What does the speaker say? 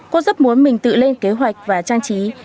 cô rất muốn mình tự lên kế hoạch và trang trí